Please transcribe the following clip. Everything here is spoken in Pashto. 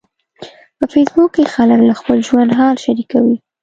په فېسبوک کې خلک له خپل ژوند حال شریکوي.